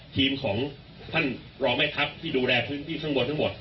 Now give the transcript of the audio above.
ทีมของท่านรองแม่ทัพที่ดูแลพื้นที่ข้างบนทั้งหมด